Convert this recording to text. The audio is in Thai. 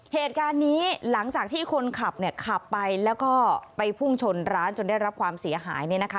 เหตุการณ์นี้หลังจากที่คนขับเนี่ยขับไปแล้วก็ไปพุ่งชนร้านจนได้รับความเสียหายเนี่ยนะคะ